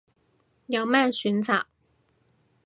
有咩選擇